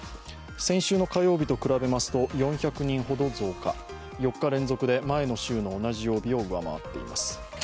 先週の火曜日と比べますと４００人ほど増加、４日連続で前の週の同じ曜日を上回っています。